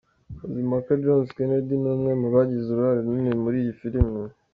Mazimpaka Jones Kennedy ni umwe mu bagize uruhare runini muri iyi filime.